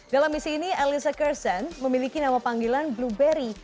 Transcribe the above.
dalam misi ini elisa kersen memiliki nama panggilan blueberry